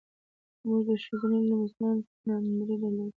موږ د ښوونځي له مسوولانو سره ناندرۍ درلودې.